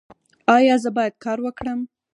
ایا زه باید کار وکړم؟